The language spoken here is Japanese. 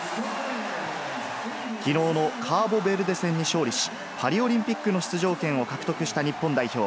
きのうのカーボベルデ戦に勝利し、パリオリンピックの出場権を獲得した日本代表。